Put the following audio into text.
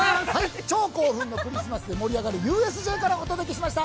◆超興奮のクリスマスで盛り上がるＵＳＪからお届けしました。